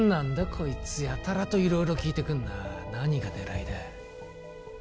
こいつやたらと色々聞いてくんな何が狙いだ？